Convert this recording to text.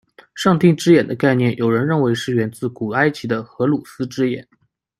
上帝之眼的概念有人认为是源自古埃及的荷鲁斯之眼。